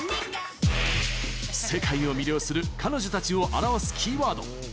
世界を魅了する彼女たちを表すキーワード。